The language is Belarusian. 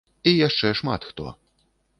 І яшчэ шмат хто.